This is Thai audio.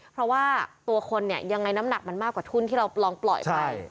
เพราะว่าตัวคนเนี่ยยังไงน้ำหนักมันมากกว่าทุ่นที่เราลองปล่อยไป